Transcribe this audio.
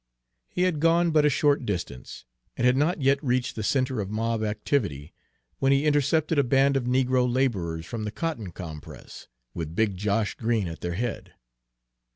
He had gone but a short distance, and had not yet reached the centre of mob activity, when he intercepted a band of negro laborers from the cotton compress, with big Josh Green at their head.